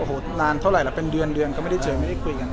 โอ้โหนานเท่าไหร่แล้วเป็นเดือนเดือนก็ไม่ได้เจอไม่ได้คุยกัน